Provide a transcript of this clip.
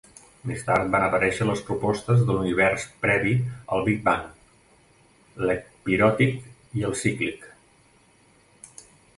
Més tard, van aparèixer les propostes de l'Univers previ al Big Bang, l'ecpiròtic i el cíclic.